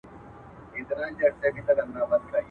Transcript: چي کلی په نامه لري، يو خوى تر نورو ښه لري.